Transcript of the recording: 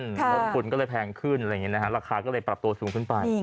เพราะฝุ่นก็เลยแพงขึ้นราคาก็เลยปรับตัวสูงขึ้นไป